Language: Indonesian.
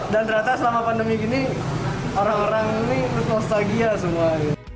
dan ternyata selama pandemi gini orang orang ini nostalgia semua